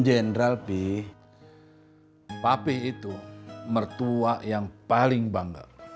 jeralpi papih itu mertua yang paling bangga